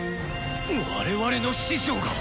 我々の師匠が。